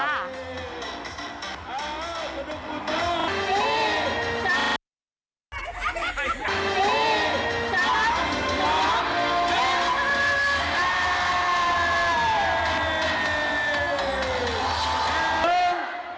กระโดด